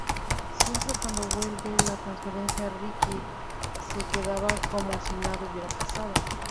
Siempre cuando vuelve la transferencia, Ricky se quedaba como si nada hubiera pasado.